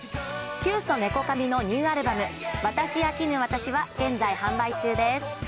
キュウソネコカミのニューアルバム、私飽きぬ私は、現在販売中です。